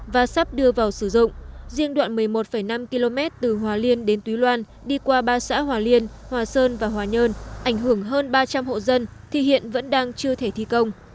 và sắp đưa vào sử dụng riêng đoạn một mươi một năm km từ hòa liên đến túy loan đi qua ba xã hòa liên hòa sơn và hòa nhơn ảnh hưởng hơn ba trăm linh hộ dân thì hiện vẫn đang chưa thể thi công